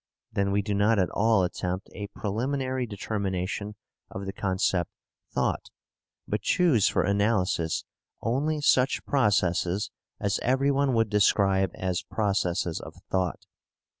Then we do not at all attempt a preliminary determination of the concept 'thought,' but choose for analysis only such processes as everyone would describe as processes of thought."